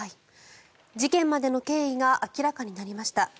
事件までの経緯が明らかになりました。